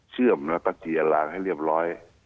เชื่อมรักษีอันหลางให้เรียบร้อย